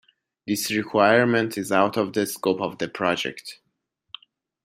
This requirement is out of the scope of the project.